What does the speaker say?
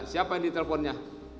siapa yang di telponnya